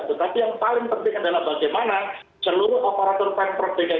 tetapi yang paling penting adalah bagaimana seluruh operator operator di jakarta